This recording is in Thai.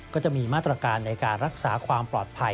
ก็จะมีมาตรการในการรักษาความปลอดภัย